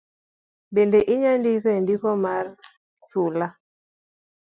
Bende inyalo ndiko e giko mar sula.